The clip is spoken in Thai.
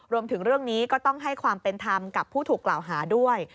รวมถึงเรื่องนี้ก็ต้องให้ความเป็นธรรมกับผู้ถูกกล่าวหาด้วย